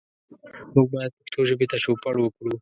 موږ باید پښتو ژبې ته چوپړ وکړو.